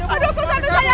aduh kok sampai saya